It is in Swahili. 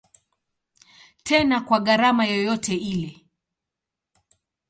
Tena kwa gharama yoyote ile.